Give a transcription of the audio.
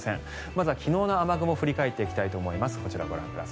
まずは昨日の雨雲振り返っていきたいと思います。